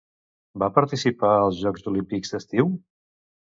Va participar als Jocs Olímpics d'estiu?